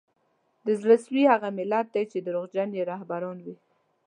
د زړه سوي هغه ملت دی چي دروغجن یې رهبران وي